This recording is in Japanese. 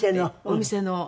お店の。